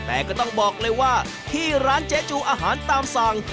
แต่ก็ต้องบอกเลยว่าที่ร้านเจ๊จูอาหารตามสั่ง